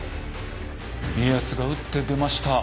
家康が打って出ました。